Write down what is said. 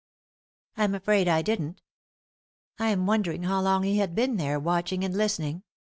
" I'm afraid I didn't. I'm wondering how long he had been there, watching and listening.